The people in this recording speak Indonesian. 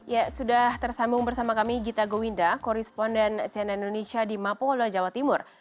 ya sudah tersambung bersama kami gita gowinda koresponden cnn indonesia di mapolda jawa timur